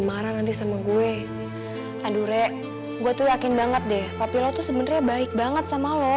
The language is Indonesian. nanti sama gue aduh reng gua tuh yakin banget deh tapi lo tuh sebenarnya baik banget sama lo